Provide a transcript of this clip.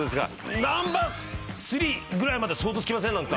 ナンバー３ぐらいまでは想像つきません？